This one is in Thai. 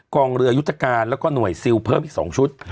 กองเรือยุทธการแล้วก็หน่วยซิลเพิ่มอีก๒ชุด